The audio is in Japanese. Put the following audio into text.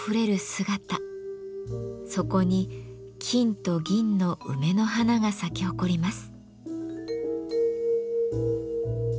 そこに金と銀の梅の花が咲き誇ります。